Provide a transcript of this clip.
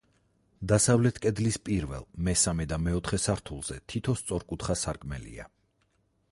დასავლეთ კედლის პირველ, მესამე და მეოთხე სართულზე თითო სწორკუთხა სარკმელია.